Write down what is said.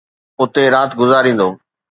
اتي رات گذاريندو.